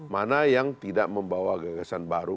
mana yang tidak membawa gagasan baru